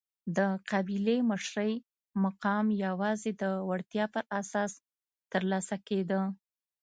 د قبیلې مشرۍ مقام یوازې د وړتیا پر اساس ترلاسه کېده.